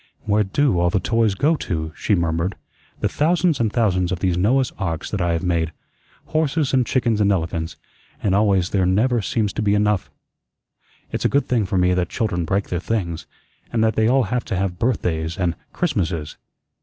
"Where DO all the toys go to?" she murmured. "The thousands and thousands of these Noah's arks that I have made horses and chickens and elephants and always there never seems to be enough. It's a good thing for me that children break their things, and that they all have to have birthdays and Christmases."